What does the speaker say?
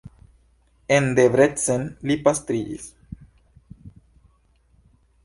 En Debrecen li pastriĝis.